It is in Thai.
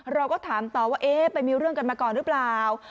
เราก็ถามต่อว่าเอ๊ะไปมีเรื่องกันมาก่อนหรือเปล่า